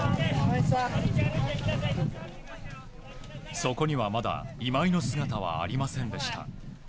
そこには、まだ今井の姿はありませんでした。